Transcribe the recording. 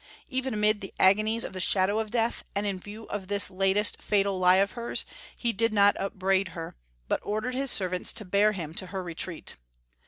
Even amid the agonies of the shadow of death, and in view of this last fatal lie of hers, he did not upbraid her, but ordered his servants to bear him to her retreat.